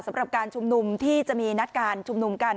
สำหรับการชุมนุมที่จะมีนัดการชุมนุมกัน